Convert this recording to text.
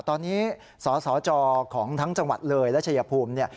ตอนนี้สาวจอของทั้งจังหวัดเรย์และชัยภูมิ